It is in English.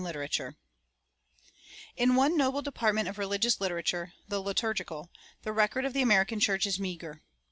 In one noble department of religious literature, the liturgical, the record of the American church is meager.